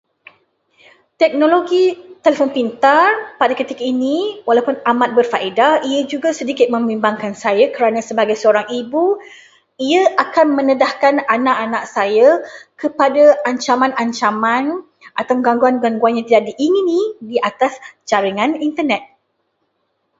Teknologi telefon pintar pada ketika ini, walaupun amat berfaedah, ia juga sedikit membimbangkan saya kerana sebagai seorang ibu, ia akan mendedahkan anak-anak saya kepada ancaman-ancaman ataupun gangguan-gangguan yang tidak diingini di atas jaringan Internet.